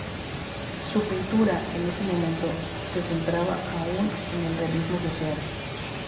Su pintura en ese momento se centraba aún en el realismo social.